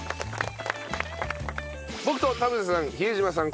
僕と田臥さん